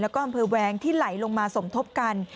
แล้วก็อำเภอแวงที่ไหลลงมาสมทบกัน